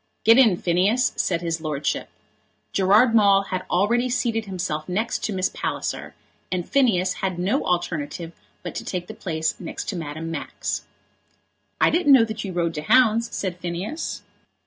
"Get in, Phineas," said his lordship. Gerard Maule had already seated himself next to Miss Palliser, and Phineas had no alternative but to take the place next to Madame Max. "I didn't know that you rode to hounds?" said Phineas.